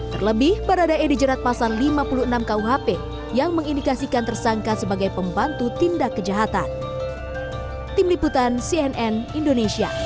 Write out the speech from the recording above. terlebih baradae dijerat pasal lima puluh enam kuhp yang mengindikasikan tersangka sebagai pembantu tindak kejahatan